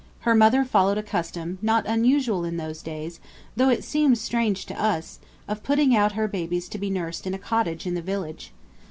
Her mother followed a custom, not unusual in those days, though it seems strange to us, of putting out her babies to be nursed in a cottage in the village.